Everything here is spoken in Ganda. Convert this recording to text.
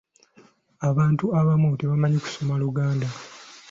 Abantu abamu tebamanyi kusoma luganda.